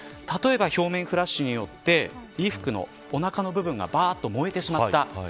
例えば、表面フラッシュによって衣服のおなかの部分が燃えてしまった。